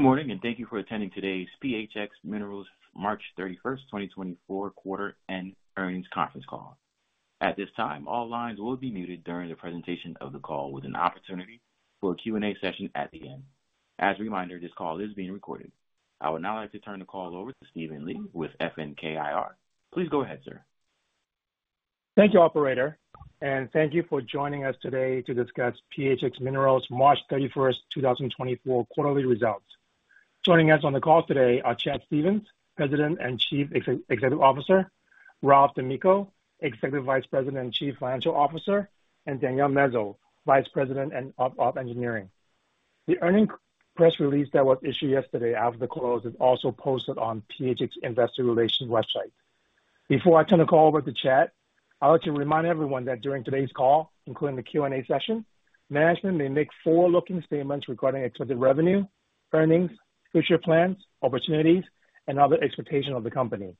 Good morning, and thank you for attending today's PHX Minerals March 31, 2024 quarter-end earnings conference call. At this time, all lines will be muted during the presentation of the call, with an opportunity for a Q&A session at the end. As a reminder, this call is being recorded. I would now like to turn the call over to Steven Li with FNK IR. Please go ahead, sir. Thank you, operator, and thank you for joining us today to discuss PHX Minerals' March 31, 2024 quarterly results. Joining us on the call today are Chad Stephens, President and Chief Executive Officer, Ralph D'Amico, Executive Vice President and Chief Financial Officer, and Danielle Mezo, Vice President of Operations Engineering. The earnings press release that was issued yesterday after the close is also posted on PHX Investor Relations website. Before I turn the call over to Chad, I'd like to remind everyone that during today's call, including the Q&A session, management may make forward-looking statements regarding expected revenue, earnings, future plans, opportunities, and other expectations of the company.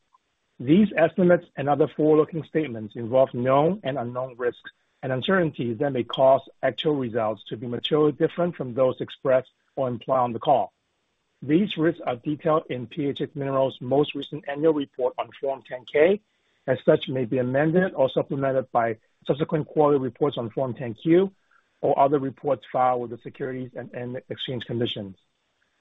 These estimates and other forward-looking statements involve known and unknown risks and uncertainties that may cause actual results to be materially different from those expressed or implied on the call. These risks are detailed in PHX Minerals' most recent annual report on Form 10-K, as such, may be amended or supplemented by subsequent quarterly reports on Form 10-Q or other reports filed with the Securities and Exchange Commission.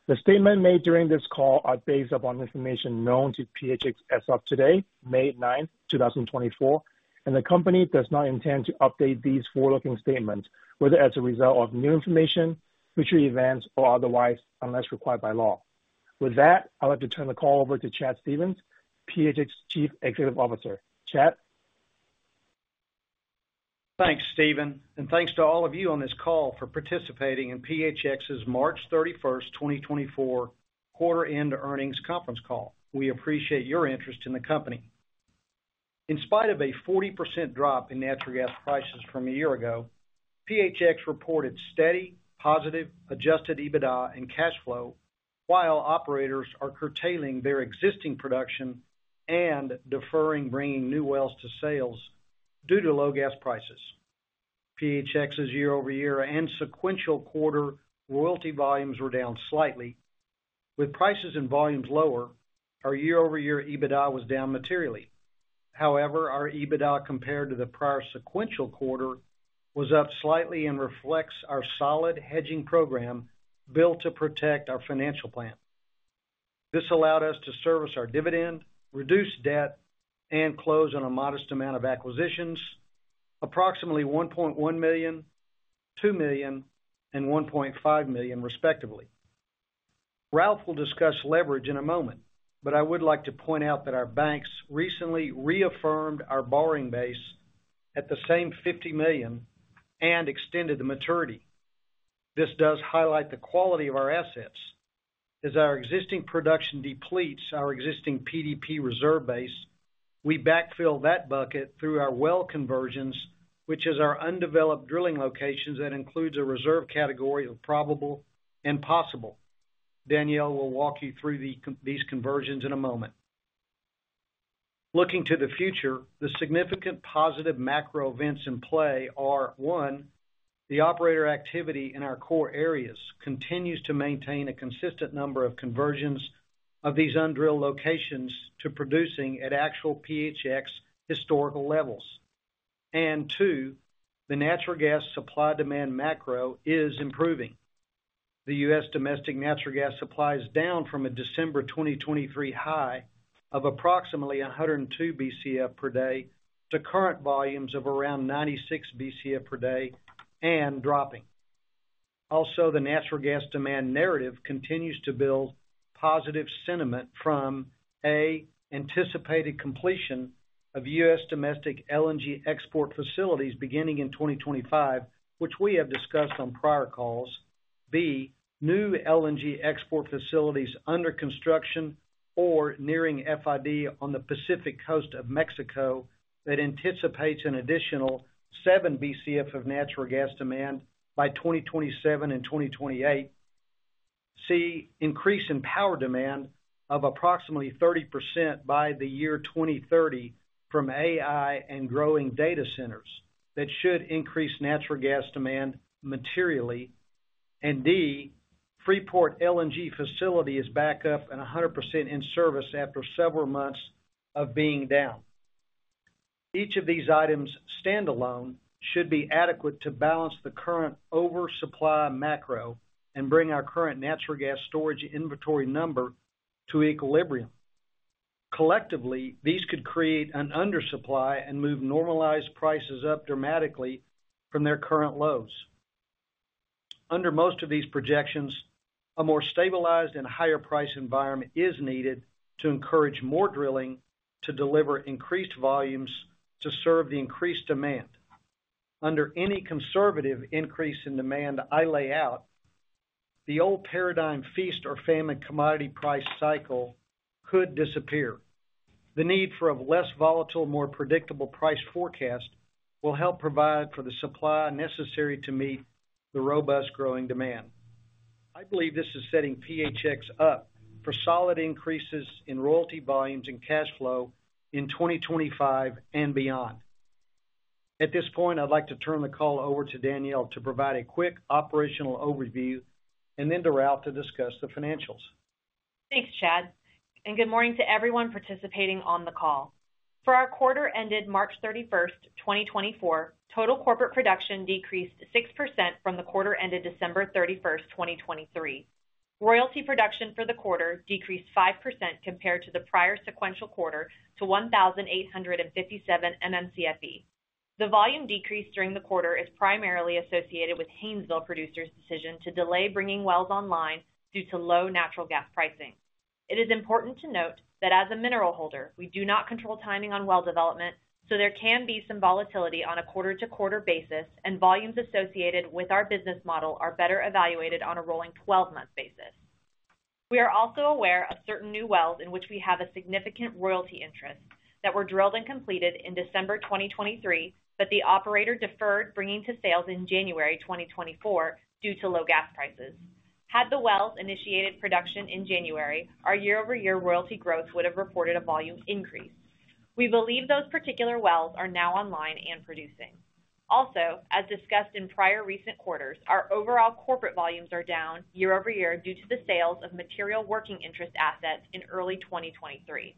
The statement made during this call are based upon information known to PHX as of today, May 9, 2024, and the company does not intend to update these forward-looking statements, whether as a result of new information, future events, or otherwise, unless required by law. With that, I'd like to turn the call over to Chad Stephens, PHX Chief Executive Officer. Chad? Thanks, Stephen, and thanks to all of you on this call for participating in PHX's March 31st, 2024 quarter-end earnings conference call. We appreciate your interest in the company. In spite of a 40% drop in natural gas prices from a year ago, PHX reported steady, positive, adjusted EBITDA and cash flow, while operators are curtailing their existing production and deferring bringing new wells to sales due to low gas prices. PHX's year-over-year and sequential-quarter royalty volumes were down slightly. With prices and volumes lower, our year-over-year EBITDA was down materially. However, our EBITDA compared to the prior sequential quarter was up slightly and reflects our solid hedging program built to protect our financial plan. This allowed us to service our dividend, reduce debt, and close on a modest amount of acquisitions, approximately $1.1 million, $2 million, and $1.5 million, respectively. Ralph will discuss leverage in a moment, but I would like to point out that our banks recently reaffirmed our borrowing base at the same $50 million and extended the maturity. This does highlight the quality of our assets. As our existing production depletes our existing PDP reserve base, we backfill that bucket through our well conversions, which is our undeveloped drilling locations that includes a reserve category of probable and possible. Danielle will walk you through these conversions in a moment. Looking to the future, the significant positive macro events in play are, one, the operator activity in our core areas continues to maintain a consistent number of conversions of these undrilled locations to producing at actual PHX historical levels. And two, the natural gas supply-demand macro is improving. The U.S. domestic natural gas supply is down from a December 2023 high of approximately 102 BCF per day, to current volumes of around 96 BCF per day and dropping. Also, the natural gas demand narrative continues to build positive sentiment from, A, anticipated completion of U.S. domestic LNG export facilities beginning in 2025, which we have discussed on prior calls. B, new LNG export facilities under construction or nearing FID on the Pacific Coast of Mexico that anticipates an additional 7 BCF of natural gas demand by 2027 and 2028. C, increase in power demand of approximately 30% by the year 2030 from AI and growing data centers that should increase natural gas demand materially. And D, Freeport LNG facility is back up and 100% in service after several months of being down. Each of these items, standalone, should be adequate to balance the current oversupply macro and bring our current natural gas storage inventory number to equilibrium. Collectively, these could create an undersupply and move normalized prices up dramatically from their current lows. Under most of these projections, a more stabilized and higher price environment is needed to encourage more drilling to deliver increased volumes to serve the increased demand. Under any conservative increase in demand I lay out, the old paradigm, feast or famine commodity price cycle could disappear. The need for a less volatile, more predictable price forecast will help provide for the supply necessary to meet the robust growing demand. I believe this is setting PHX up for solid increases in royalty volumes and cash flow in 2025 and beyond. ...At this point, I'd like to turn the call over to Danielle to provide a quick operational overview, and then to Ralph to discuss the financials. Thanks, Chad, and good morning to everyone participating on the call. For our quarter-ended March 31, 2024, total corporate production decreased 6% from the quarter-ended December 31, 2023. Royalty production for the quarter decreased 5% compared to the prior sequential quarter to 1,857 MMCFE. The volume decrease during the quarter is primarily associated with Haynesville producer's decision to delay bringing wells online due to low natural gas pricing. It is important to note that as a mineral holder, we do not control timing on well development, so there can be some volatility on a quarter-to-quarter basis, and volumes associated with our business model are better evaluated on a rolling twelve-month basis. We are also aware of certain new wells in which we have a significant royalty interest that were drilled and completed in December 2023, but the operator deferred bringing to sales in January 2024 due to low gas prices. Had the wells initiated production in January, our year-over-year royalty growth would have reported a volume increase. We believe those particular wells are now online and producing. Also, as discussed in prior recent quarters, our overall corporate volumes are down year-over-year due to the sales of material working interest assets in early 2023.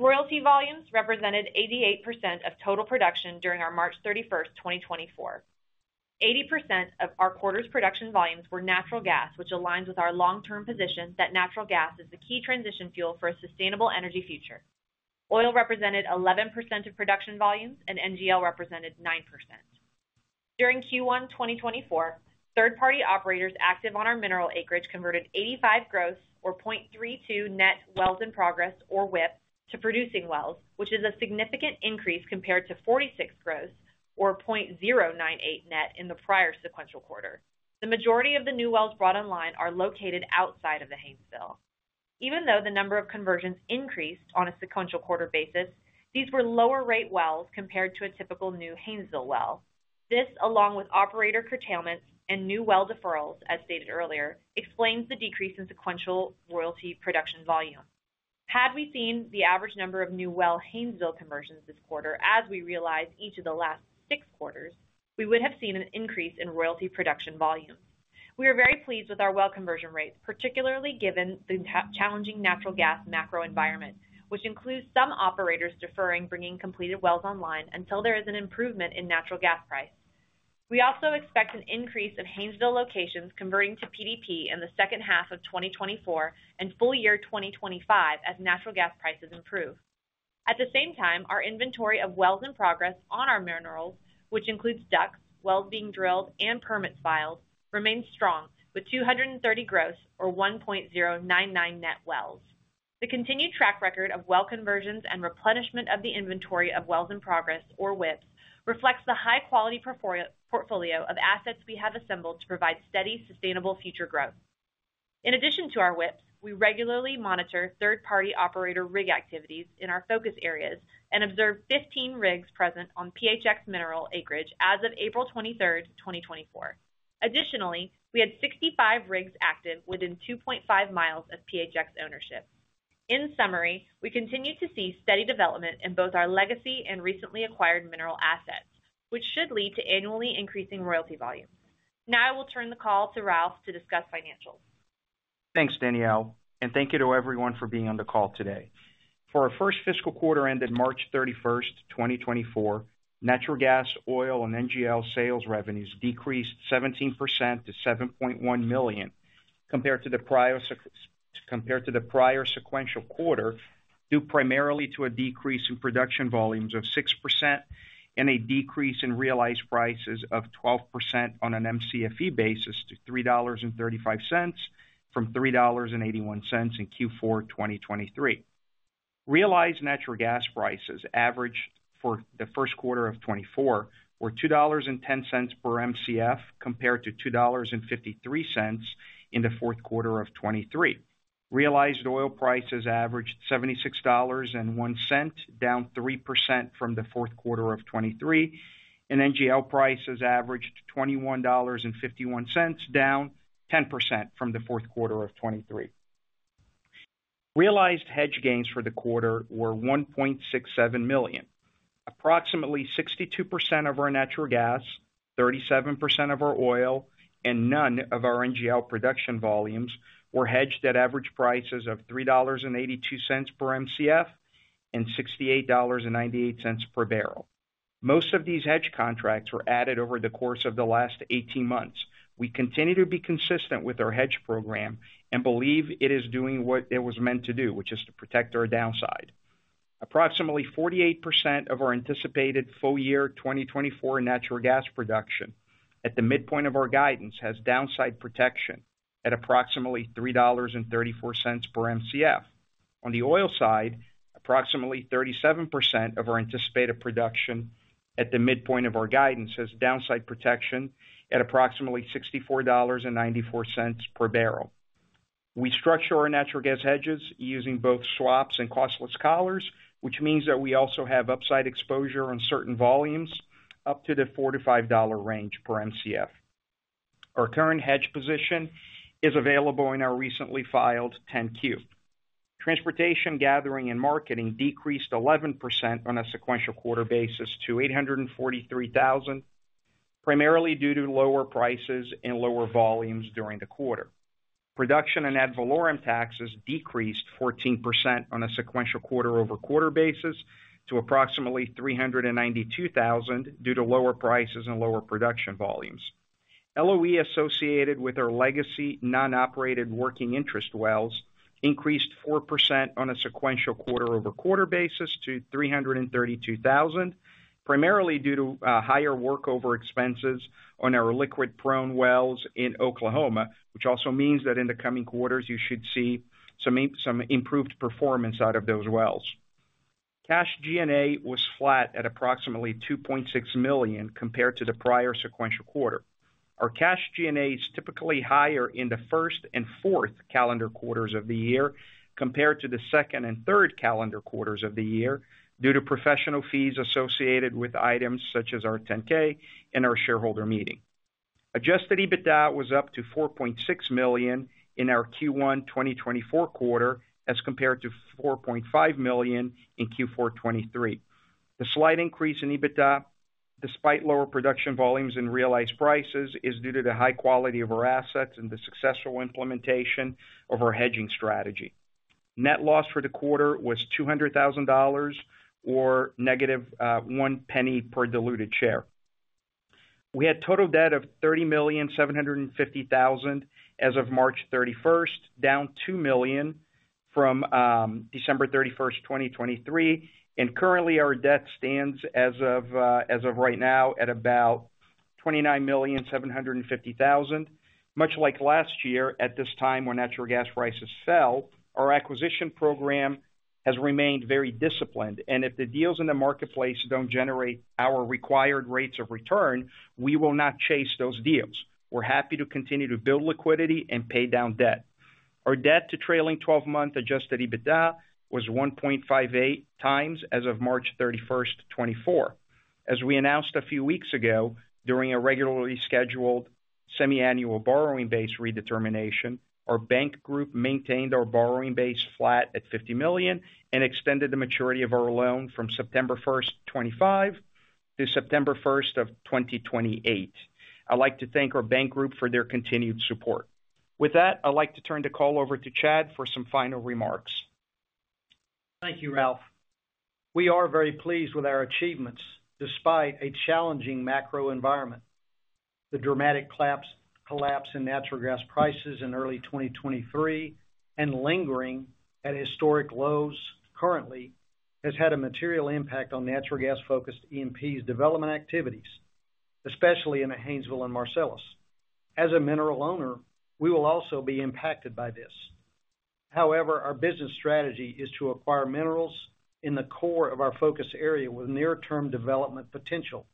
Royalty volumes represented 88% of total production during our March 31, 2024. 80% of our quarter's production volumes were natural gas, which aligns with our long-term position that natural gas is the key transition fuel for a sustainable energy future. Oil represented 11% of production volumes and NGL represented 9%. During Q1 2024, third-party operators active on our mineral acreage converted 85 gross, or 0.32 net wells in progress, or WIP, to producing wells, which is a significant increase compared to 46 gross or 0.098 net in the prior sequential quarter. The majority of the new wells brought online are located outside of the Haynesville. Even though the number of conversions increased on a sequential quarter basis, these were lower rate wells compared to a typical new Haynesville well. This, along with operator curtailments and new well deferrals, as stated earlier, explains the decrease in sequential royalty production volume. Had we seen the average number of new well Haynesville conversions this quarter, as we realized each of the last six quarters, we would have seen an increase in royalty production volume. We are very pleased with our well conversion rates, particularly given the challenging natural gas macro environment, which includes some operators deferring bringing completed wells online until there is an improvement in natural gas price. We also expect an increase of Haynesville locations converting to PDP in the second half of 2024 and full year 2025 as natural gas prices improve. At the same time, our inventory of wells in progress on our minerals, which includes DUCs, wells being drilled, and permits filed, remains strong, with 230 gross or 1.099 net wells. The continued track record of well conversions and replenishment of the inventory of wells in progress, or WIP, reflects the high-quality portfolio of assets we have assembled to provide steady, sustainable future growth. In addition to our WIP, we regularly monitor third-party operator rig activities in our focus areas and observe 15 rigs present on PHX mineral acreage as of April 23rd, 2024. Additionally, we had 65 rigs active within 2.5 miles of PHX ownership. In summary, we continue to see steady development in both our legacy and recently acquired mineral assets, which should lead to annually increasing royalty volume. Now I will turn the call to Ralph to discuss financials. Thanks, Danielle, and thank you to everyone for being on the call today. For our first fiscal quarter-ended March 31, 2024, natural gas, oil, and NGL sales revenues decreased 17% to $7.1 million compared to the prior sequential quarter, due primarily to a decrease in production volumes of 6% and a decrease in realized prices of 12% on an MCFE basis to $3.35 from $3.81 in Q4 2023. Realized natural gas prices averaged for the first quarter of 2024, were $2.10 per MCF, compared to $2.53 in the fourth quarter of 2023. Realized oil prices averaged $76.01, down 3% from the fourth quarter of 2023, and NGL prices averaged $21.51, down 10% from the fourth quarter of 2023. Realized hedge gains for the quarter were $1.67 million. Approximately 62% of our natural gas, 37% of our oil, and none of our NGL production volumes were hedged at average prices of $3.82 per MCF and $68.98 per barrel. Most of these hedge contracts were added over the course of the last 18 months. We continue to be consistent with our hedge program and believe it is doing what it was meant to do, which is to protect our downside. Approximately 48% of our anticipated full year 2024 natural gas production at the midpoint of our guidance has downside protection at approximately $3.34 per MCF. On the oil side, approximately 37% of our anticipated production at the midpoint of our guidance has downside protection at approximately $64.94 per barrel. We structure our natural gas hedges using both swaps and costless collars, which means that we also have upside exposure on certain volumes up to the $4-$5 range per MCF. Our current hedge position is available in our recently filed 10-Q. Transportation, gathering, and marketing decreased 11% on a sequential quarter basis to $843,000, primarily due to lower prices and lower volumes during the quarter. Production and ad valorem taxes decreased 14% on a sequential quarter-over-quarter basis to approximately $392,000, due to lower prices and lower production volumes. LOE associated with our legacy non-operated working interest wells increased 4% on a sequential quarter-over-quarter basis to $332,000, primarily due to higher workover expenses on our liquid prone wells in Oklahoma, which also means that in the coming quarters, you should see some improved performance out of those wells. Cash G&A was flat at approximately $2.6 million compared to the prior sequential quarter. Our cash G&A is typically higher in the first and fourth calendar quarters of the year compared to the second and third calendar quarters of the year, due to professional fees associated with items such as our 10-K and our shareholder meeting. Adjusted EBITDA was up to $4.6 million in our Q1 2024 quarter, as compared to $4.5 million in Q4 2023. The slight increase in EBITDA, despite lower production volumes and realized prices, is due to the high quality of our assets and the successful implementation of our hedging strategy. Net loss for the quarter was $200,000, or negative, one penny per diluted share. We had total debt of $30,750,000 as of March 31, down $2 million from, December 31, 2023, and currently, our debt stands as of, as of right now, at about $29,750,000. Much like last year, at this time when natural gas prices fell, our acquisition program has remained very disciplined, and if the deals in the marketplace don't generate our required rates of return, we will not chase those deals. We're happy to continue to build liquidity and pay down debt. Our debt to trailing twelve-month adjusted EBITDA was 1.58 times as of March 31st, 2024. As we announced a few weeks ago, during a regularly scheduled semiannual borrowing base redetermination, our bank group maintained our borrowing base flat at $50 million and extended the maturity of our loan from September 1st, 2025 to September 1st, 2028. I'd like to thank our bank group for their continued support. With that, I'd like to turn the call over to Chad for some final remarks. Thank you, Ralph. We are very pleased with our achievements, despite a challenging macro environment. The dramatic collapse in natural gas prices in early 2023 and lingering at historic lows currently has had a material impact on natural gas-focused E&Ps development activities, especially in the Haynesville and Marcellus. As a mineral owner, we will also be impacted by this. However, our business strategy is to acquire minerals in the core of our focus area with near-term development potential.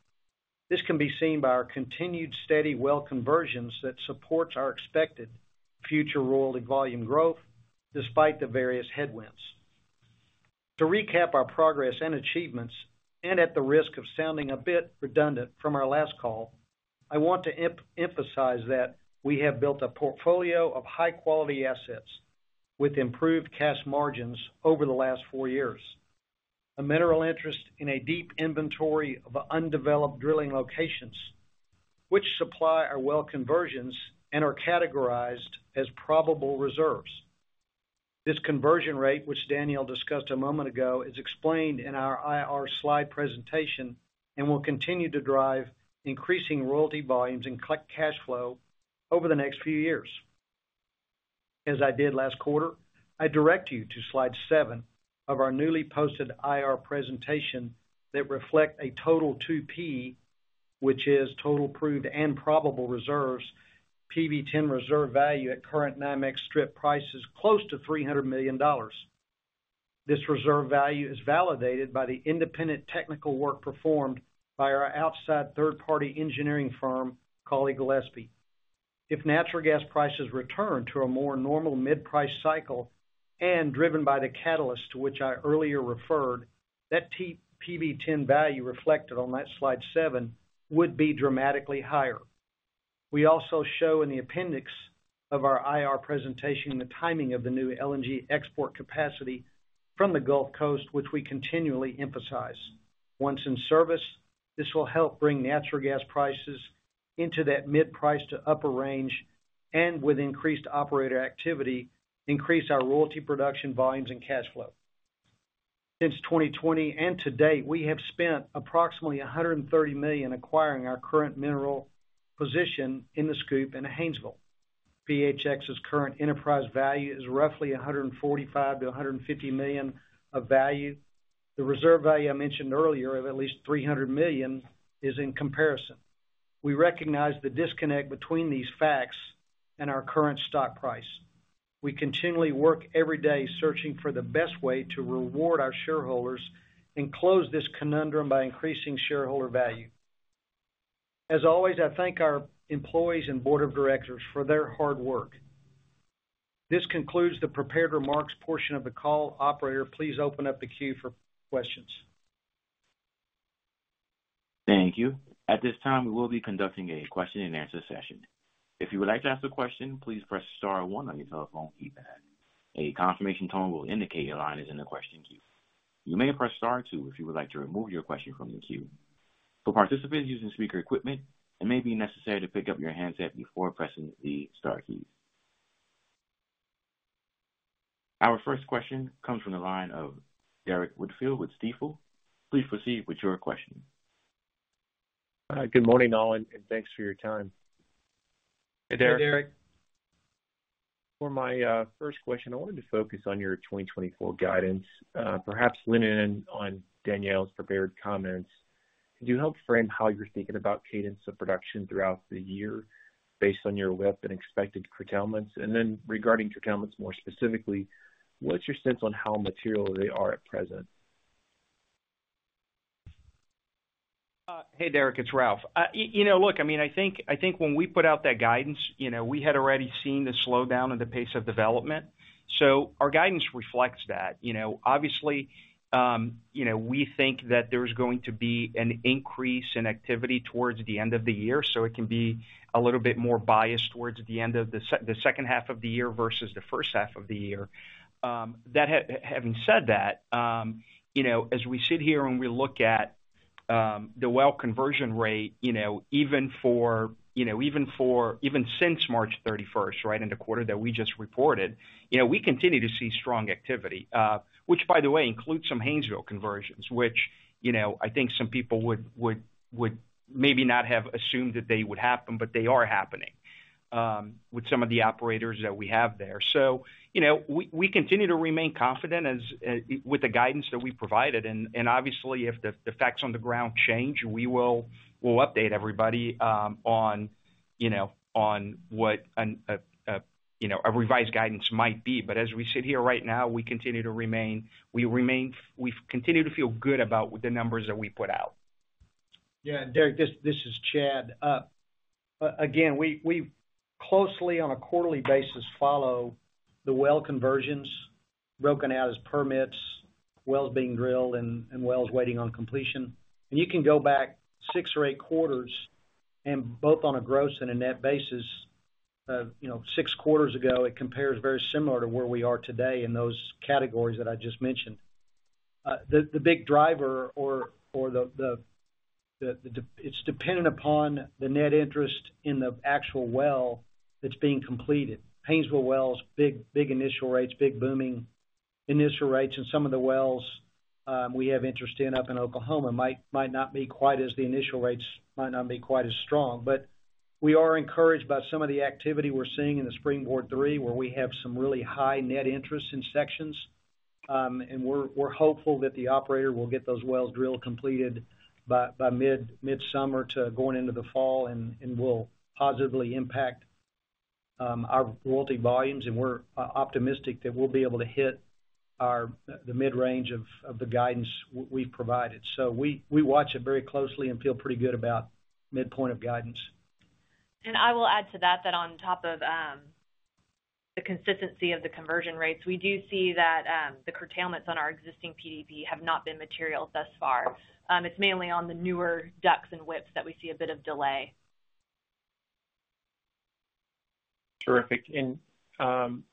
This can be seen by our continued steady well conversions that supports our expected future royalty volume growth, despite the various headwinds. To recap our progress and achievements, and at the risk of sounding a bit redundant from our last call, I want to emphasize that we have built a portfolio of high quality assets with improved cash margins over the last four years. A mineral interest in a deep inventory of undeveloped drilling locations, which supply our well conversions and are categorized as probable reserves. This conversion rate, which Danielle discussed a moment ago, is explained in our IR slide presentation and will continue to drive increasing royalty volumes and collect cash flow over the next few years. As I did last quarter, I direct you to slide 7 of our newly posted IR presentation that reflect a total 2P, which is total proved and probable reserves, PV-10 reserve value at current NYMEX strip prices close to $300 million. This reserve value is validated by the independent technical work performed by our outside third-party engineering firm, Cawley Gillespie. If natural gas prices return to a more normal mid-price cycle and driven by the catalyst to which I earlier referred, that PV-10 value reflected on that slide 7, would be dramatically higher. We also show in the appendix of our IR presentation, the timing of the new LNG export capacity from the Gulf Coast, which we continually emphasize. Once in service, this will help bring natural gas prices into that mid-price to upper range, and with increased operator activity, increase our royalty production volumes and cash flow. Since 2020 and to date, we have spent approximately $130 million acquiring our current mineral position in the SCOOP and Haynesville. PHX's current enterprise value is roughly $145 million-$150 million of value. The reserve value I mentioned earlier of at least $300 million is in comparison. We recognize the disconnect between these facts and our current stock price. We continually work every day searching for the best way to reward our shareholders and close this conundrum by increasing shareholder value. As always, I thank our employees and board of directors for their hard work. This concludes the prepared remarks portion of the call. Operator, please open up the queue for questions. Thank you. At this time, we will be conducting a question-and-answer session. If you would like to ask a question, please press star one on your telephone keypad. A confirmation tone will indicate your line is in the question queue. You may press star two if you would like to remove your question from the queue. For participants using speaker equipment, it may be necessary to pick up your handset before pressing the star key. Our first question comes from the line of Derrick Whitfield with Stifel. Please proceed with your question. Good morning, all, and thanks for your time. Hey, Derrick. For my first question, I wanted to focus on your 2024 guidance. Perhaps leaning in on Danielle's prepared comments, could you help frame how you're thinking about cadence of production throughout the year based on your WIP and expected curtailments? And then regarding curtailments, more specifically, what's your sense on how material they are at present? Hey, Derrick, it's Ralph. You know, look, I mean, I think, I think when we put out that guidance, you know, we had already seen the slowdown in the pace of development. So our guidance reflects that. You know, obviously, you know, we think that there's going to be an increase in activity towards the end of the year, so it can be a little bit more biased towards the end of the second half of the year versus the first half of the year. Having said that, you know, as we sit here and we look at the well conversion rate, you know, even for even since March thirty-first, right, in the quarter that we just reported, you know, we continue to see strong activity, which, by the way, includes some Haynesville conversions, which, you know, I think some people would maybe not have assumed that they would happen, but they are happening with some of the operators that we have there. So, you know, we continue to remain confident as with the guidance that we provided, and obviously, if the facts on the ground change, we'll update everybody on what a revised guidance might be. But as we sit here right now, we continue to remain. We've continued to feel good about the numbers that we put out. Yeah, Derrick, this is Chad. Again, we closely on a quarterly basis follow the well conversions, broken out as permits, wells being drilled, and wells waiting on completion. You can go back 6 or 8 quarters, and both on a gross and a net basis, you know, 6 quarters ago, it compares very similar to where we are today in those categories that I just mentioned. The big driver, it's dependent upon the net interest in the actual well that's being completed. Haynesville wells, big initial rates, big booming initial rates, and some of the wells we have interest in up in Oklahoma might not be quite as the initial rates, might not be quite as strong. But we are encouraged by some of the activity we're seeing in SpringBoard III, where we have some really high net interest in sections. And we're hopeful that the operator will get those wells drilled, completed by mid-summer to going into the fall, and will positively impact our royalty volumes. And we're optimistic that we'll be able to hit the mid-range of the guidance we've provided. So we watch it very closely and feel pretty good about midpoint of guidance. I will add to that, that on top of the consistency of the conversion rates, we do see that the curtailments on our existing PDP have not been material thus far. It's mainly on the newer DUCs and WIPs that we see a bit of delay. Terrific. And,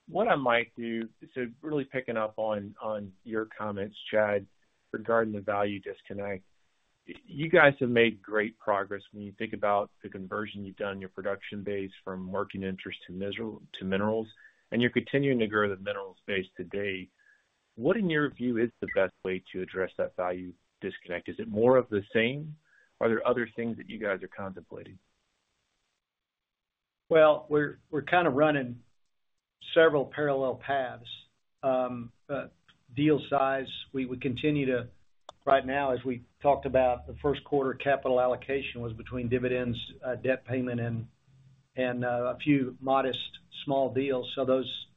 what I might do, so really picking up on, on your comments, Chad, regarding the value disconnect. You guys have made great progress when you think about the conversion you've done, your production base from working interest to minerals, and you're continuing to grow the minerals base today. What, in your view, is the best way to address that value disconnect? Is it more of the same, or are there other things that you guys are contemplating? Well, we're kind of running several parallel paths. Deal size, we would continue to... Right now, as we talked about, the first quarter capital allocation was between dividends, debt payment, and a few modest small deals. So those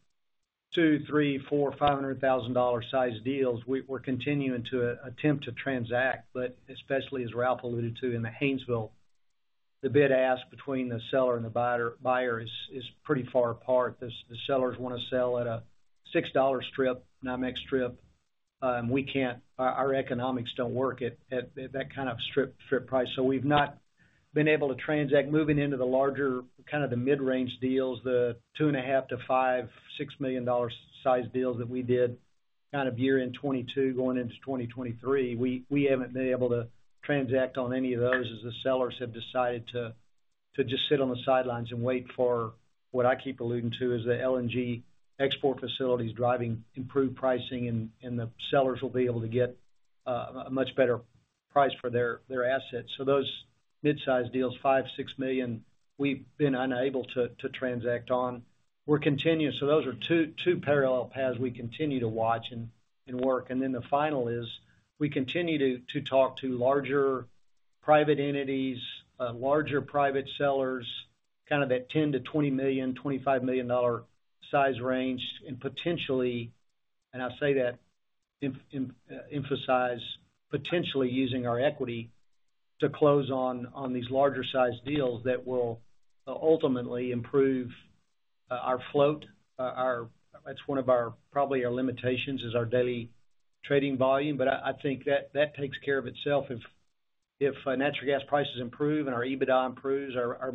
$200,000, $300,000, $400,000, $500,000-sized deals, we're continuing to attempt to transact, but especially as Ralph alluded to in the Haynesville, the bid-ask between the seller and the buyer is pretty far apart. The sellers want to sell at a $6 strip, NYMEX strip, we can't, our economics don't work at that kind of strip price, so we've not been able to transact. Moving into the larger, kind of the mid-range deals, the $2.5-$6 million-sized deals that we did kind of year-end 2022 going into 2023, we, we haven't been able to transact on any of those as the sellers have decided to, to just sit on the sidelines and wait for what I keep alluding to as the LNG export facilities, driving improved pricing, and, and the sellers will be able to get a much better price for their, their assets. So those mid-sized deals, $5-$6 million, we've been unable to, to transact on. We're continuing, so those are two, two parallel paths we continue to watch and, and work. And then the final is, we continue to talk to larger private entities, larger private sellers, kind of that $10-$20 million, $25 million size range, and potentially, and I say that, emphasize, potentially using our equity to close on these larger-sized deals that will ultimately improve our float. It's one of our, probably, our limitations, is our daily trading volume. But I think that takes care of itself. If natural gas prices improve and our EBITDA improves, our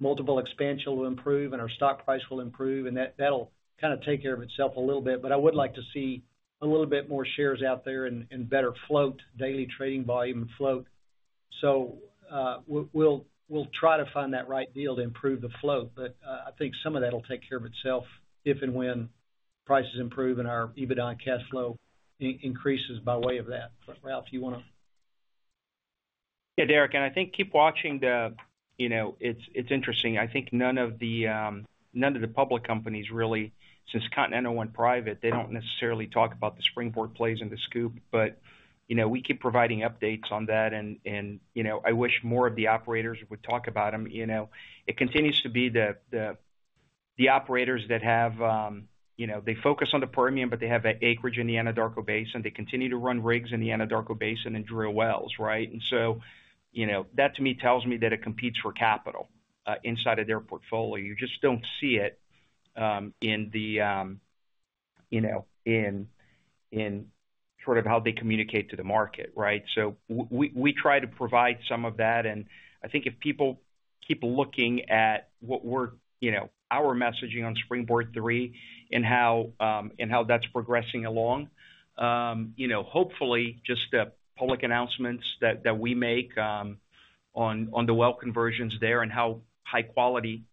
multiple expansion will improve and our stock price will improve, and that, that'll kind of take care of itself a little bit. But I would like to see a little bit more shares out there and better float, daily trading volume and float. So, we'll try to find that right deal to improve the float, but I think some of that will take care of itself, if and when prices improve and our EBITDA and cash flow increases by way of that. But Ralph, you wanna? Yeah, Derrick, and I think keep watching the, you know, it's interesting. I think none of the, none of the public companies really, since Continental went private, they don't necessarily talk about the SpringBoard plays in the SCOOP. But, you know, we keep providing updates on that and, and, you know, I wish more of the operators would talk about them. You know, it continues to be the operators that have, you know, they focus on the Permian, but they have that acreage in the Anadarko Basin. They continue to run rigs in the Anadarko Basin and drill wells, right? And so, you know, that to me, tells me that it competes for capital inside of their portfolio. You just don't see it, in the, you know, in, in sort of how they communicate to the market, right? So we try to provide some of that, and I think if people keep looking at what we're, you know, our messaging SpringBoard III and how and how that's progressing along, you know, hopefully, just the public announcements that we make on the well conversions there and how high quality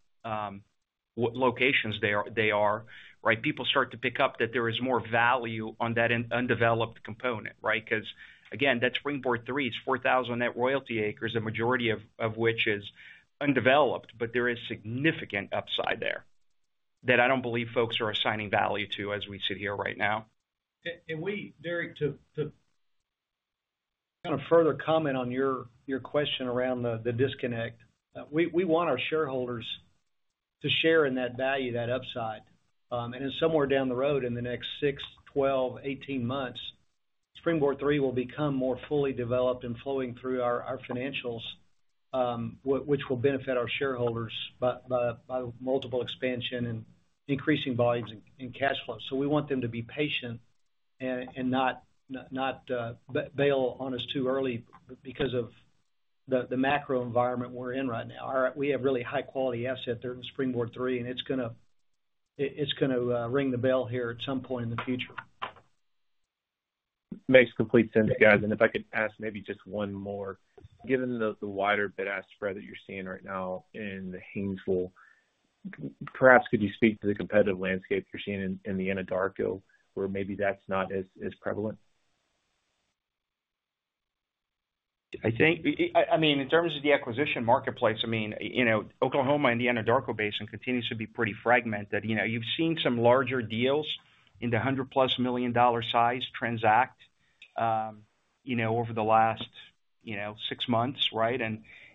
locations they are, they are, right? People start to pick up that there is more value on that undeveloped component, right? Because, again, SpringBoard III, it's 4,000 net royalty acres, the majority of which is undeveloped, but there is significant upside there that I don't believe folks are assigning value to as we sit here right now. We, Derrick, to kind of further comment on your question around the disconnect. We want our shareholders to share in that value, that upside. And then somewhere down the road, in the next 6, 12, 18 SpringBoard III will become more fully developed and flowing through our financials, which will benefit our shareholders, by multiple expansion and increasing volumes in cash flow. So we want them to be patient and not bail on us too early because of the macro environment we're in right now. We have really high-quality asset there SpringBoard III, and it's gonna ring the bell here at some point in the future. Makes complete sense, guys. If I could ask maybe just one more. Given the wider bid-ask spread that you're seeing right now in the Haynesville, perhaps could you speak to the competitive landscape you're seeing in the Anadarko, where maybe that's not as prevalent? I think, I mean, in terms of the acquisition marketplace, I mean, you know, Oklahoma and the Anadarko Basin continues to be pretty fragmented. You know, you've seen some larger deals in the $100+ million size transact, you know, over the last, you know, 6 months, right?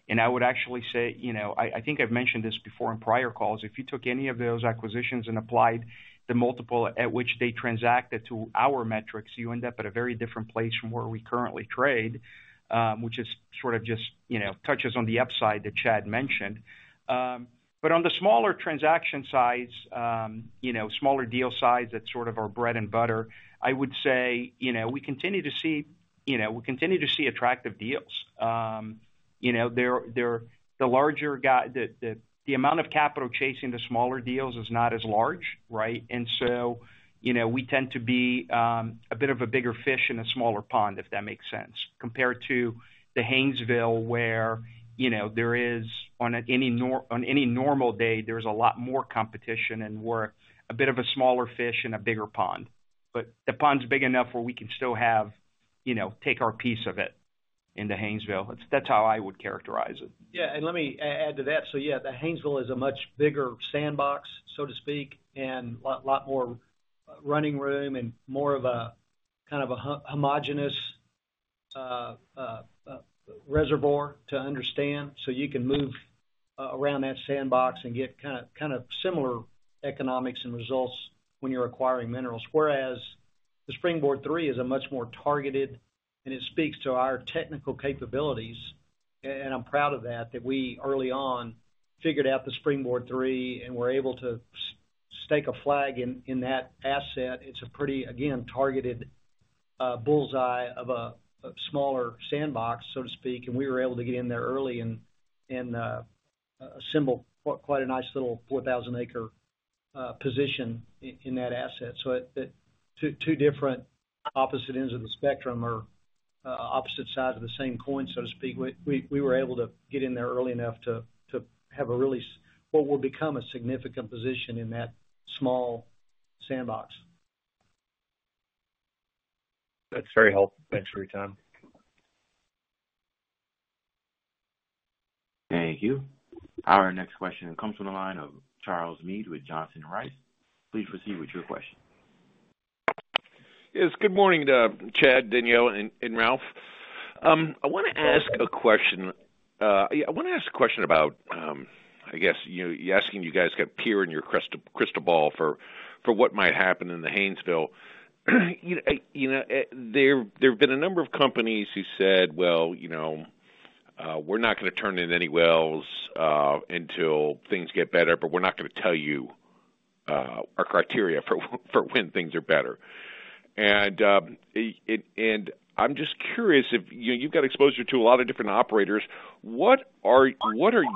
And I would actually say, you know, I think I've mentioned this before in prior calls, if you took any of those acquisitions and applied the multiple at which they transacted to our metrics, you end up at a very different place from where we currently trade, which is sort of just, you know, touches on the upside that Chad mentioned. But on the smaller transaction size, you know, smaller deal size, that's sort of our bread and butter, I would say, you know, we continue to see, you know, we continue to see attractive deals. You know, they're the larger guy. The amount of capital chasing the smaller deals is not as large, right? And so, you know, we tend to be a bit of a bigger fish in a smaller pond, if that makes sense, compared to the Haynesville, where, you know, there is, on any normal day, there's a lot more competition, and we're a bit of a smaller fish in a bigger pond. But the pond's big enough where we can still have, you know, take our piece of it in the Haynesville. That's how I would characterize it. Yeah, and let me add to that. So yeah, the Haynesville is a much bigger sandbox, so to speak, and lot, lot more running room and more of a, kind of a homogeneous reservoir to understand. So you can move around that sandbox and get kind of, kind of similar economics and results when you're acquiring minerals. Whereas SpringBoard III is a much more targeted, and it speaks to our technical capabilities, and I'm proud of that, that we, early on, figured out SpringBoard III and were able to stake a flag in, in that asset. It's a pretty, again, targeted, bullseye of a, of smaller sandbox, so to speak, and we were able to get in there early and, and, assemble quite a nice little 4,000-acre position in that asset. So at the two different opposite ends of the spectrum or opposite sides of the same coin, so to speak, we were able to get in there early enough to have a really what will become a significant position in that small sandbox. That's very helpful. Thanks for your time. Thank you. Our next question comes from the line of Charles Meade with Johnson Rice. Please proceed with your question. Yes, good morning to Chad, Danielle, and Ralph. I wanna ask a question. Yeah, I wanna ask a question about, I guess, you asking you guys to peer in your crystal ball for what might happen in the Haynesville. You know, there have been a number of companies who said, "Well, you know, we're not gonna turn in any wells until things get better, but we're not gonna tell you our criteria for when things are better." And I'm just curious if—you've got exposure to a lot of different operators, what are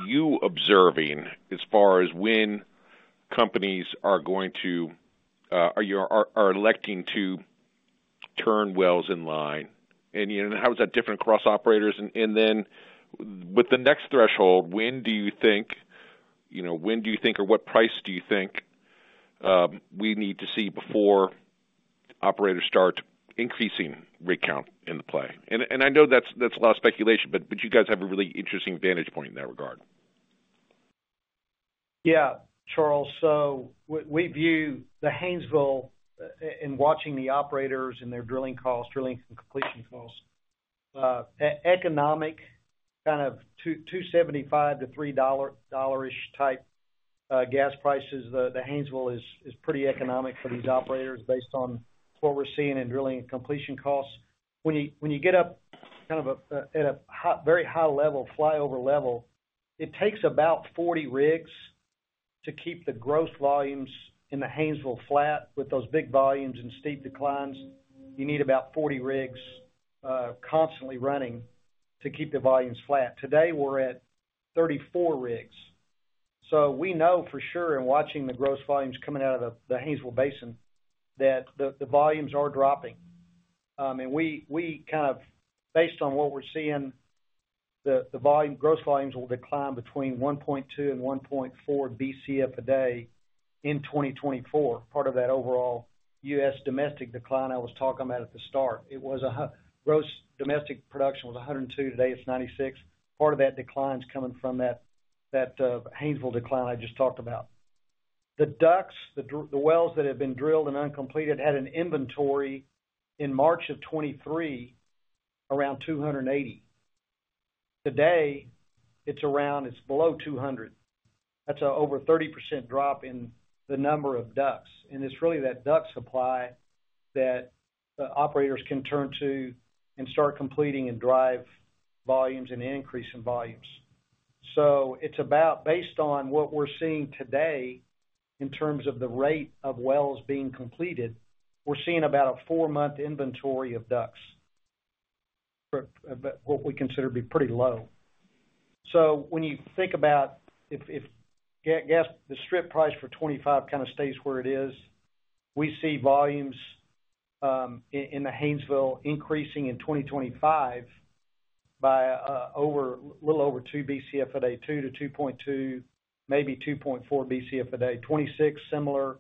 you observing as far as when companies are going to elect to turn wells in line? And you know, how is that different across operators? And then with the next threshold, when do you think, you know, when do you think, or what price do you think we need to see before operators start increasing rig count in the play? And I know that's a lot of speculation, but you guys have a really interesting vantage point in that regard. Yeah, Charles, so we view the Haynesville, in watching the operators and their drilling costs, drilling and completion costs, economic kind of $2, $2.75-$3 dollar-ish type gas prices, the Haynesville is pretty economic for these operators based on what we're seeing in drilling and completion costs. When you get up kind of at a high, very high level, fly over level, it takes about 40 rigs to keep the growth volumes in the Haynesville flat. With those big volumes and steep declines, you need about 40 rigs constantly running to keep the volumes flat. Today, we're at 34 rigs. So we know for sure, in watching the growth volumes coming out of the Haynesville Basin, that the volumes are dropping. And we kind of based on what we're seeing, the volume, growth volumes will decline between 1.2-1.4 Bcf a day in 2024, part of that overall U.S. domestic decline I was talking about at the start. It was a hundred gross domestic production was 102, today it's 96. Part of that decline is coming from that Haynesville decline I just talked about. The DUCs, the wells that have been drilled and uncompleted, had an inventory in March of 2023, around 280. Today, it's below 200. That's over 30% drop in the number of DUCs, and it's really that DUC supply that operators can turn to and start completing and drive volumes and increase in volumes. So it's about, based on what we're seeing today, in terms of the rate of wells being completed, we're seeing about a four-month inventory of DUCs, for, what we consider to be pretty low. So when you think about if gas—the strip price for 25 kind of stays where it is, we see volumes, in, in the Haynesville increasing in 2025 by, over, a little over 2 Bcf a day, 2-2.2, maybe 2.4 Bcf a day. 2026, similar,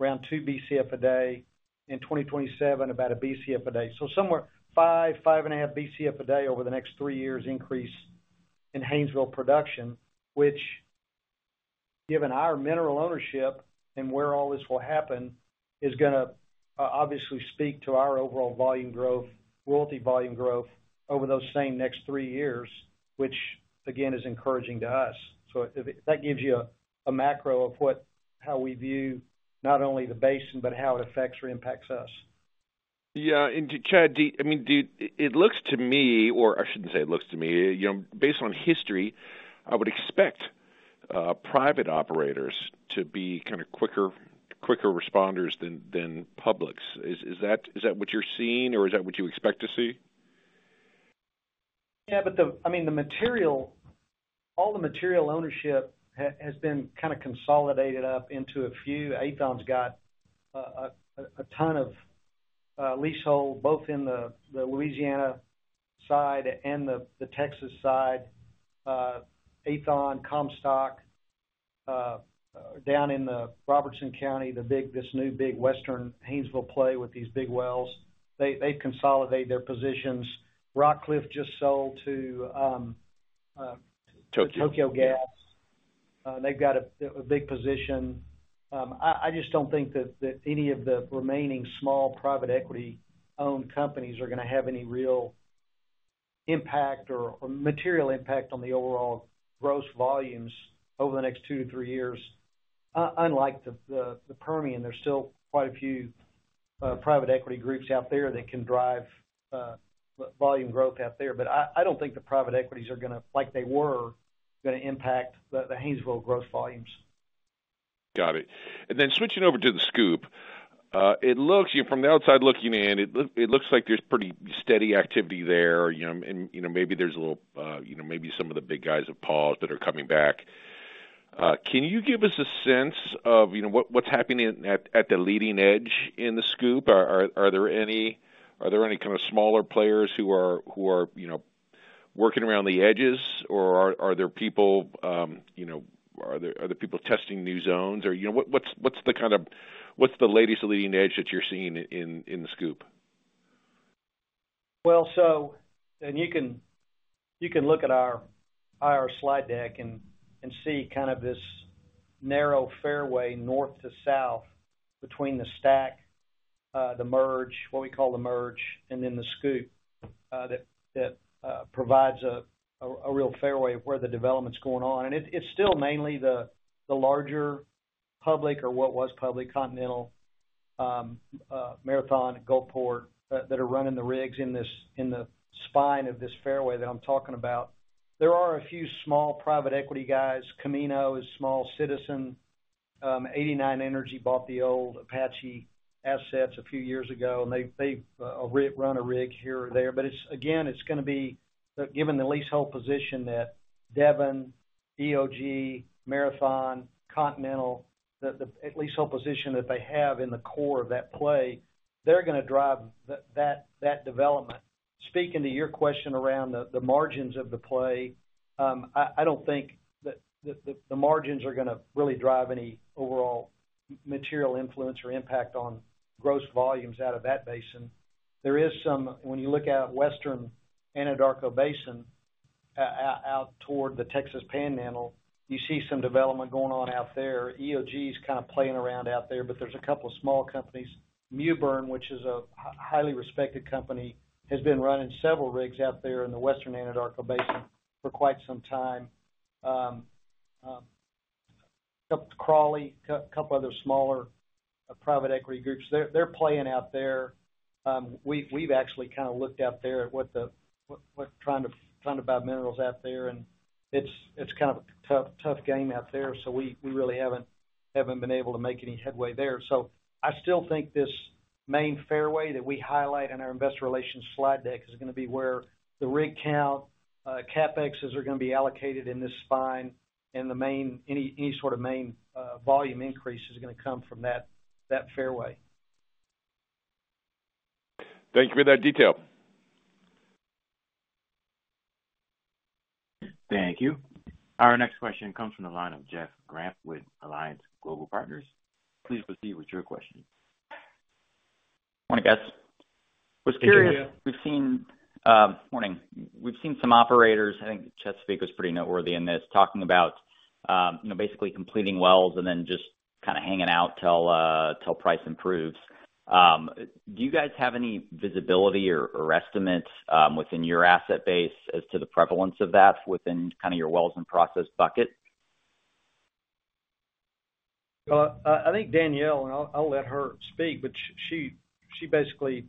around 2 Bcf a day. In 2027, about 1 Bcf a day. So somewhere 5-5.5 BCF a day over the next 3 years increase in Haynesville production, which given our mineral ownership and where all this will happen, is gonna obviously speak to our overall volume growth, royalty volume growth over those same next 3 years, which again, is encouraging to us. So if that gives you a macro of what how we view not only the basin, but how it affects or impacts us. Yeah, and Chad, I mean, it looks to me, or I shouldn't say it looks to me, you know, based on history, I would expect private operators to be kind of quicker responders than publics. Is that what you're seeing or is that what you expect to see? Yeah, but I mean, the material, all the material ownership has been kinda consolidated up into a few. Aethon's got a ton of leasehold, both in the Louisiana side and the Texas side. Aethon, Comstock, down in the Robertson County, the big, this new big Western Haynesville play with these big wells. They consolidate their positions. Rockcliff just sold to Tokyo. Tokyo Gas. They've got a big position. I just don't think that any of the remaining small, private equity-owned companies are gonna have any real impact or material impact on the overall gross volumes over the next 2-3 years. Unlike the Permian, there's still quite a few private equity groups out there that can drive volume growth out there. But I don't think the private equities are gonna, like they were, gonna impact the Haynesville growth volumes. Got it. And then switching over to the Scoop, it looks, you know, from the outside looking in, it looks like there's pretty steady activity there, you know, and, you know, maybe there's a little, you know, maybe some of the big guys have paused that are coming back. Can you give us a sense of, you know, what's happening at the leading edge in the Scoop? Are there any kind of smaller players who are, you know, working around the edges? Or are there people, you know, testing new zones? Or, you know, what's the kind of - what's the latest leading edge that you're seeing in the Scoop? Well, you can look at our slide deck and see kind of this narrow fairway, north to south, between the STACK, the Merge, what we call the Merge, and then the SCOOP, that provides a real fairway of where the development's going on. It is still mainly the larger public or what was public, Continental, Marathon, Gulfport, that are running the rigs in this, in the spine of this fairway that I'm talking about. There are a few small private equity guys. Camino is small, Citizen, 89 Energy bought the old Apache assets a few years ago, and they've run a rig here or there. But it's again, it's gonna be, given the leasehold position that Devon, EOG, Marathon, Continental, the leasehold position that they have in the core of that play, they're gonna drive that development. Speaking to your question around the margins of the play, I don't think that the margins are gonna really drive any overall material influence or impact on gross volumes out of that basin. There is some... When you look out western Anadarko Basin, out toward the Texas Panhandle, you see some development going on out there. EOG is kind of playing around out there, but there's a couple of small companies. Mewbourne, which is a highly respected company, has been running several rigs out there in the western Anadarko Basin for quite some time. Crawley, couple other smaller private equity groups. They're playing out there. We've actually kind of looked out there trying to buy minerals out there, and it's kind of a tough game out there, so we really haven't been able to make any headway there. So I still think this main fairway that we highlight in our investor relations slide deck is gonna be where the rig count, CapEx are gonna be allocated in this spine, and any sort of main volume increase is gonna come from that fairway. Thank you for that detail. Thank you. Our next question comes from the line of Jeff Grampp with Alliance Global Partners. Please proceed with your question. Morning, guys. Good morning. Was curious. We've seen some operators, I think Chesapeake was pretty noteworthy in this, talking about, you know, basically completing wells and then just kinda hanging out till price improves. Do you guys have any visibility or estimates within your asset base as to the prevalence of that within kinda your wells and process bucket? I think Danielle, and I'll let her speak, but she basically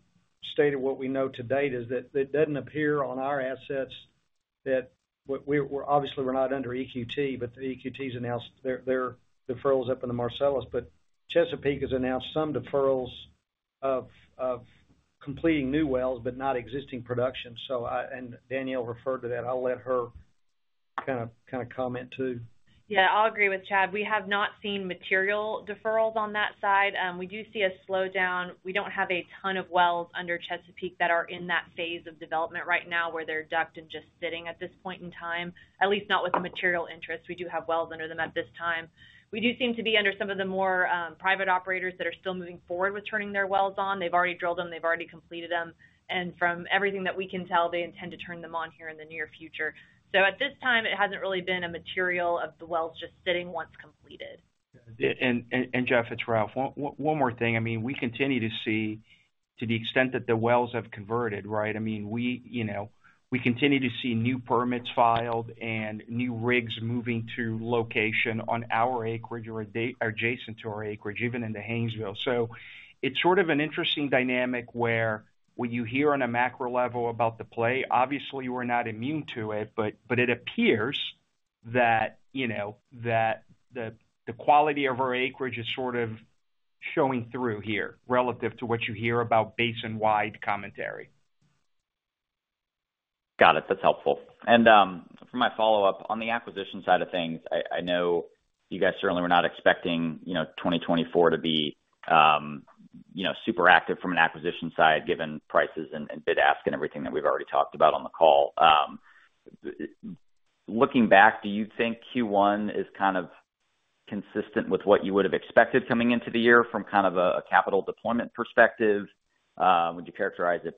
stated what we know to date, is that it doesn't appear on our assets that what we're—obviously, we're not under EQT, but EQT's announced their deferrals up in the Marcellus. But Chesapeake has announced some deferrals of completing new wells, but not existing production. So I... And Danielle referred to that. I'll let her kinda comment, too. Yeah, I'll agree with Chad. We have not seen material deferrals on that side. We do see a slowdown. We don't have a ton of wells under Chesapeake that are in that phase of development right now, where they're DUC'd and just sitting at this point in time, at least not with the material interest. We do have wells under them at this time. We do seem to be under some of the more private operators that are still moving forward with turning their wells on. They've already drilled them, they've already completed them, and from everything that we can tell, they intend to turn them on here in the near future. So at this time, it hasn't really been a material of the wells just sitting once completed. Yeah. And Jeff, it's Ralph. One more thing. I mean, we continue to see, to the extent that the wells have converted, right? I mean, you know, we continue to see new permits filed and new rigs moving to location on our acreage or adjacent to our acreage, even in the Haynesville. So it's sort of an interesting dynamic where, when you hear on a macro level about the play, obviously, we're not immune to it, but it appears that, you know, that the quality of our acreage is sort of showing through here relative to what you hear about basin-wide commentary. Got it. That's helpful. And for my follow-up, on the acquisition side of things, I know you guys certainly were not expecting, you know, 2024 to be, you know, super active from an acquisition side, given prices and bid ask and everything that we've already talked about on the call. Looking back, do you think Q1 is kind of consistent with what you would have expected coming into the year from kind of a capital deployment perspective? Would you characterize it,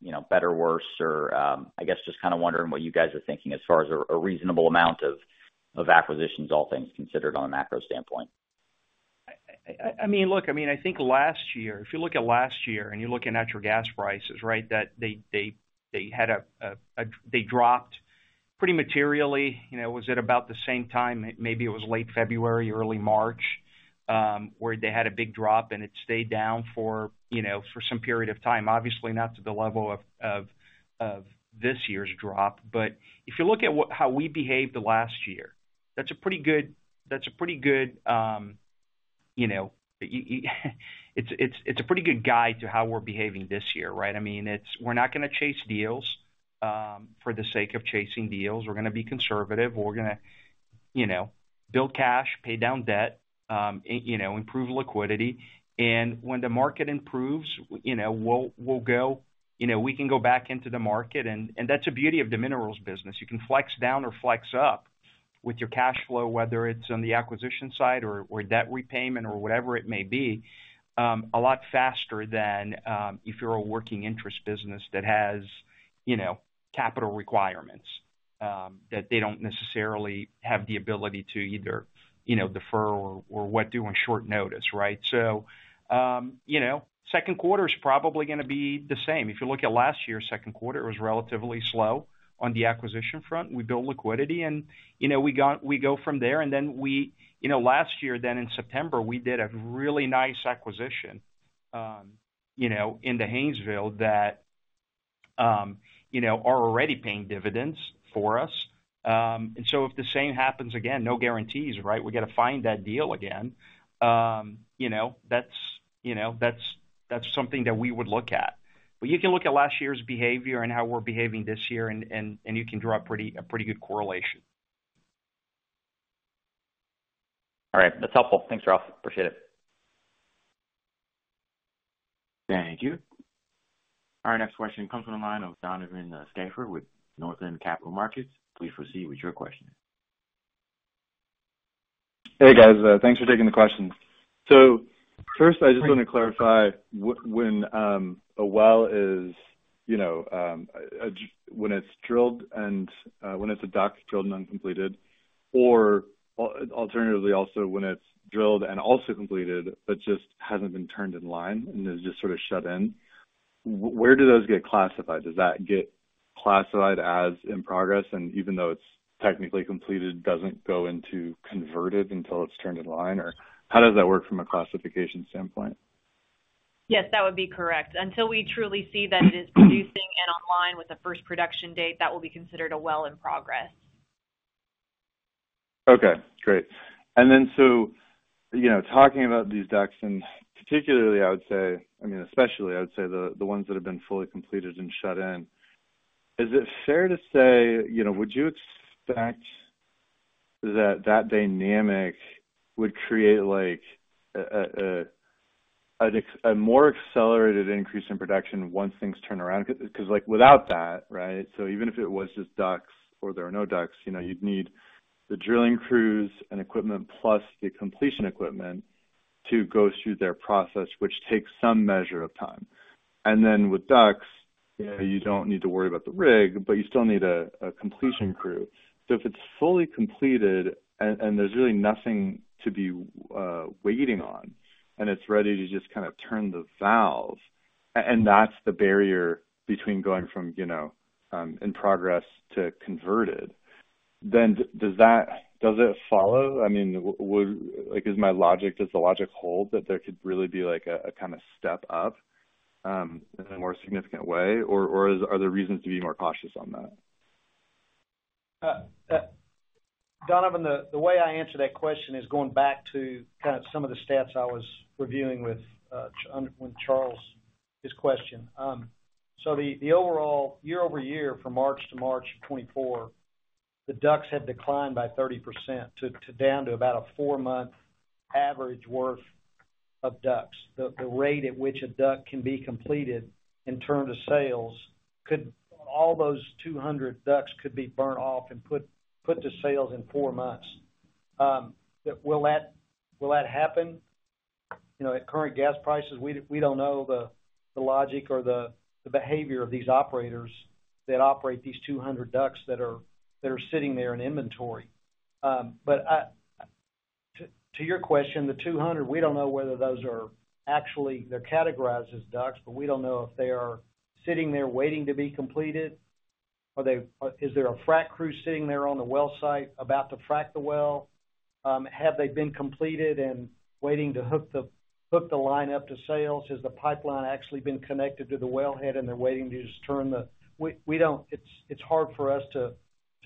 you know, better, worse, or I guess, just kinda wondering what you guys are thinking as far as a reasonable amount of acquisitions, all things considered, on a macro standpoint. I mean, look, I mean, I think last year, if you look at last year and you're looking at your gas prices, right? They had a - they dropped pretty materially, you know, was it about the same time? Maybe it was late February, early March, where they had a big drop, and it stayed down for, you know, for some period of time. Obviously, not to the level of this year's drop. But if you look at what - how we behaved the last year, that's a pretty good guide to how we're behaving this year, right? I mean, it's - we're not gonna chase deals for the sake of chasing deals. We're gonna be conservative. We're gonna, you know, build cash, pay down debt, and, you know, improve liquidity. When the market improves, you know, we'll, we'll go... You know, we can go back into the market, and, and that's the beauty of the minerals business. You can flex down or flex up with your cash flow, whether it's on the acquisition side or, or debt repayment or whatever it may be, a lot faster than, if you're a working interest business that has, you know, capital requirements, that they don't necessarily have the ability to either, you know, defer or, or what do on short notice, right? You know, second quarter is probably gonna be the same. If you look at last year, second quarter was relatively slow on the acquisition front. We built liquidity and, you know, we got-- we go from there, and then we... You know, last year, then in September, we did a really nice acquisition, you know, in the Haynesville that-... you know, are already paying dividends for us. And so if the same happens again, no guarantees, right? We got to find that deal again. You know, that's something that we would look at. But you can look at last year's behavior and how we're behaving this year, and you can draw a pretty good correlation. All right. That's helpful. Thanks, Ralph. Appreciate it. Thank you. Our next question comes from the line of Donovan Schafer with Northland Capital Markets. Please proceed with your question. Hey, guys. Thanks for taking the questions. So first, I just want to clarify when a well is, you know, when it's drilled and when it's a DUC, drilled and uncompleted, or alternatively, also when it's drilled and also completed, but just hasn't been turned in line and is just sort of shut in, where do those get classified? Does that get classified as in progress, and even though it's technically completed, doesn't go into converted until it's turned in line? Or how does that work from a classification standpoint? Yes, that would be correct. Until we truly see that it is producing and online with a first production date, that will be considered a well in progress. Okay, great. And then so, you know, talking about these DUCs, and particularly, I would say, I mean, especially, I would say, the ones that have been fully completed and shut in, is it fair to say, you know, would you expect that that dynamic would create like a more accelerated increase in production once things turn around? 'Cause like without that, right, so even if it was just DUCs or there are no DUCs, you know, you'd need the drilling crews and equipment plus the completion equipment to go through their process, which takes some measure of time. And then with DUCs, you don't need to worry about the rig, but you still need a completion crew. So if it's fully completed and, and there's really nothing to be waiting on, and it's ready to just kind of turn the valve, and that's the barrier between going from, you know, in progress to converted, then does that-- does it follow? I mean, would... Like, is my logic, does the logic hold that there could really be, like, a, a kind of step up, in a more significant way? Or, or are there reasons to be more cautious on that? Donovan, the way I answer that question is going back to kind of some of the stats I was reviewing with Charles, his question. So the overall year-over-year from March to March of 2024, the DUCs had declined by 30% down to about a four-month average worth of DUCs. The rate at which a DUC can be completed and turned to sales, could all those 200 DUCs be burnt off and put to sales in 4 months. Will that happen? You know, at current gas prices, we don't know the logic or the behavior of these operators that operate these 200 DUCs that are sitting there in inventory. But to your question, the 200, we don't know whether those are actually... They're categorized as DUCs, but we don't know if they are sitting there waiting to be completed. Are they? Is there a frac crew sitting there on the well site about to frac the well? Have they been completed and waiting to hook the line up to sales? Has the pipeline actually been connected to the wellhead, and they're waiting to just turn the... We don't—It's hard for us to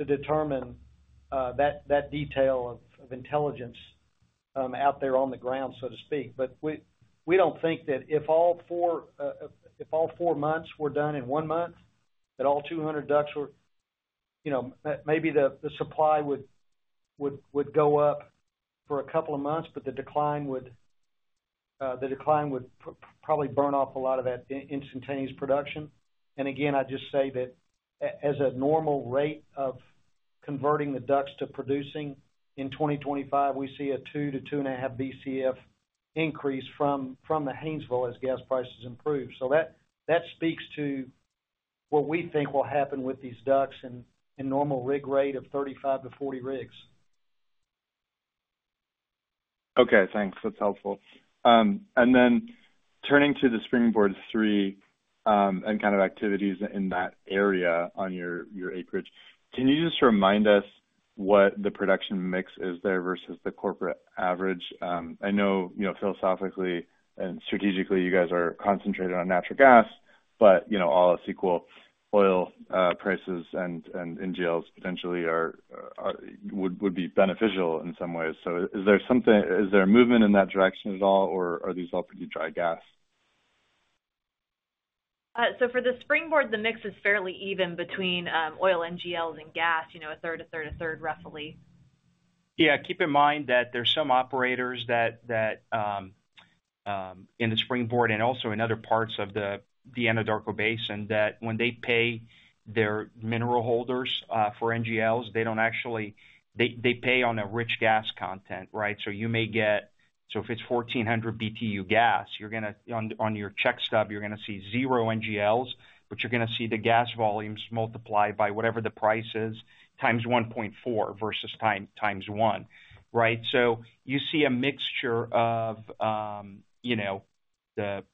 determine that detail of intelligence out there on the ground, so to speak. But we don't think that if all 4 months were done in 1 month, that all 200 DUCs were, you know, maybe the supply would go up for a couple of months, but the decline would probably burn off a lot of that instantaneous production. And again, I'd just say that as a normal rate of converting the DUCs to producing in 2025, we see a 2-2.5 BCF increase from the Haynesville as gas prices improve. So that speaks to what we think will happen with these DUCs in normal rig rate of 35-40 rigs. Okay, thanks. That's helpful. Then turning to SpringBoard III, and kind of activities in that area on your acreage, can you just remind us what the production mix is there versus the corporate average? I know, you know, philosophically and strategically, you guys are concentrated on natural gas, but, you know, all SCOOP oil prices and NGLs potentially would be beneficial in some ways. So is there something? Is there a movement in that direction at all, or are these all pretty dry gas? So for the Springboard, the mix is fairly even between oil, NGLs, and gas, you know, a third, a third, a third, roughly. Yeah, keep in mind that there's some operators that in the SpringBoard and also in other parts of the Anadarko Basin, that when they pay their mineral holders for NGLs, they don't actually... They pay on a rich gas content, right? So you may get... So if it's 1,400 BTU gas, you're gonna, on your check stub, you're gonna see zero NGLs, but you're gonna see the gas volumes multiplied by whatever the price is, times 1.4 versus times 1, right? So you see a mixture of, you know, the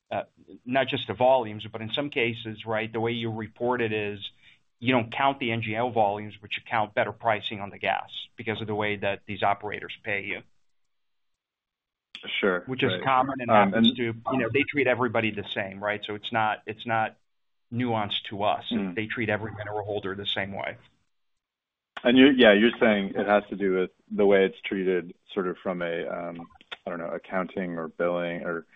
not just the volumes, but in some cases, right, the way you report it is you don't count the NGL volumes, but you count better pricing on the gas because of the way that these operators pay you.... sure, which is common in that, too, you know, they treat everybody the same, right? So it's not, it's not nuanced to us. Mm. They treat every mineral holder the same way. Yeah, you're saying it has to do with the way it's treated, sort of from a, I don't know, accounting or billing or,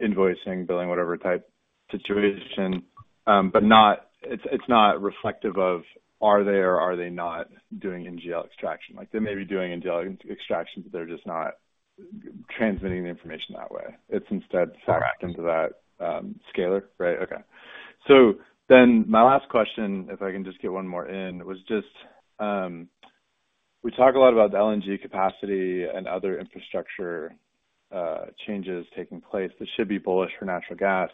invoicing, billing, whatever type situation. But it's, it's not reflective of are they or are they not doing NGL extraction? Like, they may be doing NGL extractions, but they're just not transmitting the information that way. It's instead wrapped into that, scalar, right? Okay. So then my last question, if I can just get one more in, was just, we talk a lot about the LNG capacity and other infrastructure, changes taking place that should be bullish for natural gas.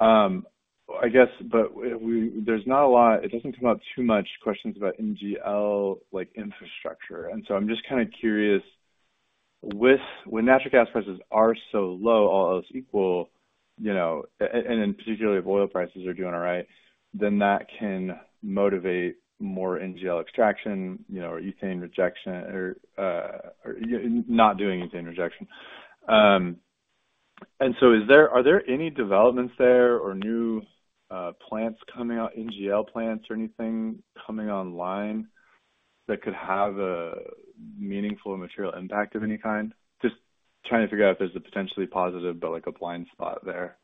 I guess, but, we there's not a lot. It doesn't come up too much questions about NGL, like, infrastructure. And so I'm just kinda curious, with—when natural gas prices are so low, all else equal, you know, and then particularly if oil prices are doing all right, then that can motivate more NGL extraction, you know, or ethane rejection or not doing ethane rejection. And so is there—are there any developments there or new plants coming out, NGL plants or anything coming online that could have a meaningful material impact of any kind? Just trying to figure out if there's a potentially positive, but, like, a blind spot there.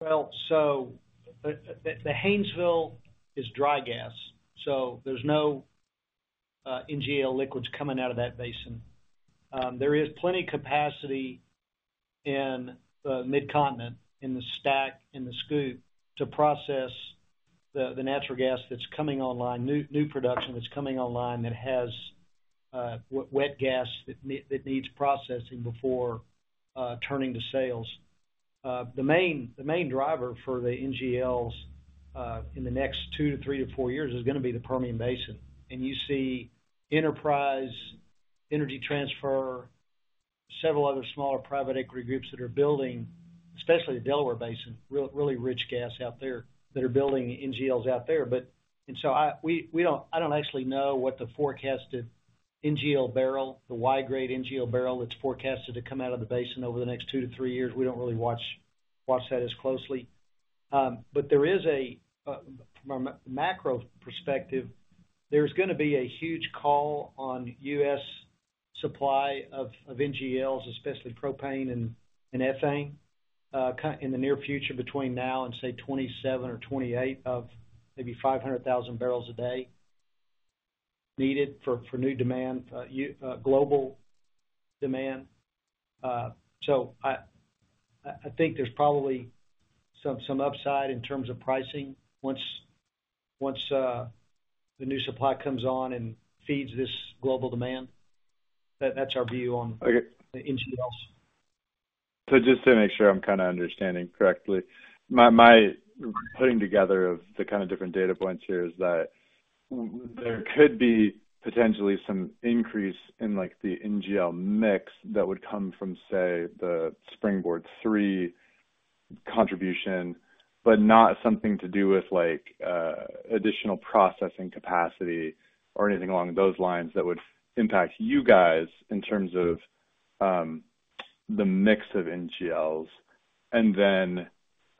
Well, so, the Haynesville is dry gas, so there's no NGL liquids coming out of that basin. There is plenty capacity in the Mid-Continent, in the STACK, in the SCOOP, to process the natural gas that's coming online, new production that's coming online that has wet gas that needs processing before turning to sales. The main driver for the NGLs in the next two to three to four years is gonna be the Permian Basin. And you see Enterprise, Energy Transfer, several other smaller private equity groups that are building, especially the Delaware Basin, really rich gas out there, that are building NGLs out there. But... I don't actually know what the forecasted NGL barrel, the Y-grade NGL barrel that's forecasted to come out of the basin over the next 2-3 years. We don't really watch that as closely. But from a macro perspective, there's gonna be a huge call on U.S. supply of NGLs, especially propane and ethane, in the near future, between now and, say, 2027 or 2028, of maybe 500,000 barrels a day needed for new demand, global demand. So I think there's probably some upside in terms of pricing once the new supply comes on and feeds this global demand. That's our view on- Okay. The NGLs. So just to make sure I'm kinda understanding correctly, my putting together of the kind of different data points here is that there could be potentially some increase in, like, the NGL mix that would come from, say, SpringBoard III contribution, but not something to do with like, additional processing capacity or anything along those lines that would impact you guys in terms of the mix of NGLs. And then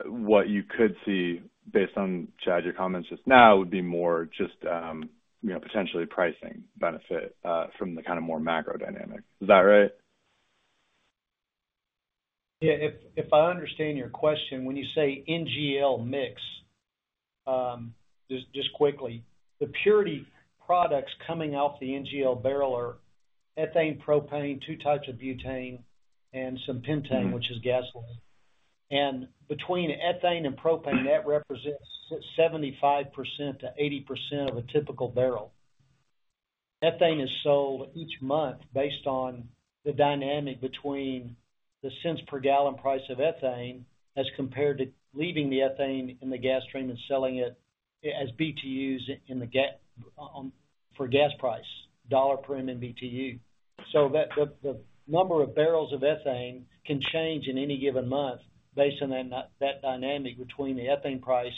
what you could see, based on, Chad, your comments just now, would be more just, you know, potentially pricing benefit from the kinda more macro dynamic. Is that right? Yeah, if I understand your question, when you say NGL mix, just quickly, the purity products coming off the NGL barrel are ethane, propane, two types of butane, and some pentane, which is gasoline. And between ethane and propane, that represents 75%-80% of a typical barrel. Ethane is sold each month based on the dynamic between the cents per gallon price of ethane as compared to leaving the ethane in the gas stream and selling it as BTUs in the gas for gas price, $ per MMBtu. So the number of barrels of ethane can change in any given month based on that dynamic between the ethane price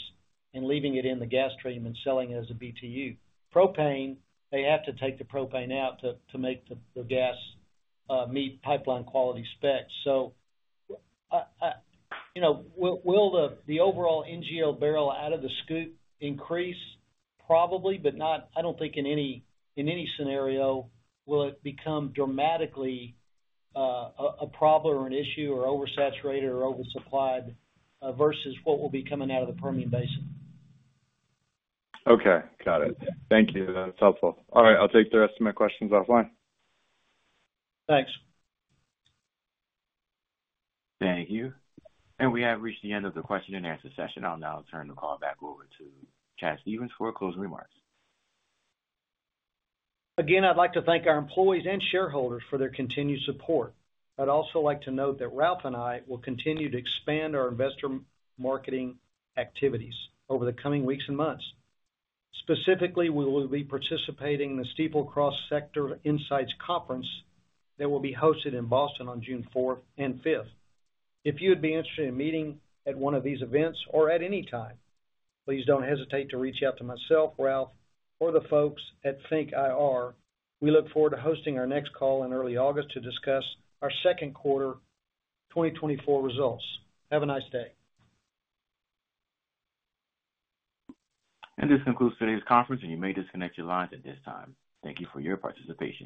and leaving it in the gas stream and selling it as a BTU. Propane, they have to take the propane out to make the gas meet pipeline quality specs. So, you know, will the overall NGL barrel out of the SCOOP increase? Probably, but not... I don't think in any scenario will it become dramatically a problem or an issue or oversaturated or oversupplied versus what will be coming out of the Permian Basin. Okay, got it. Thank you. That's helpful. All right, I'll take the rest of my questions offline. Thanks. Thank you. We have reached the end of the question and answer session. I'll now turn the call back over to Chad Stephens for closing remarks. Again, I'd like to thank our employees and shareholders for their continued support. I'd also like to note that Ralph and I will continue to expand our investor marketing activities over the coming weeks and months. Specifically, we will be participating in the Stifel Cross Sector Insight Conference that will be hosted in Boston on June fourth and fifth. If you would be interested in meeting at one of these events or at any time, please don't hesitate to reach out to myself, Ralph, or the folks at FNK IR. We look forward to hosting our next call in early August to discuss our second quarter 2024 results. Have a nice day. This concludes today's conference, and you may disconnect your lines at this time. Thank you for your participation.